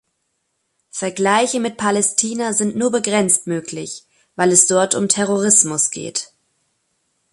Vergleiche mit Palästina sind nur begrenzt möglich, weil es dort um Terrorismus geht.